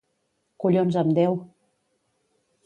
Collons amb Déu!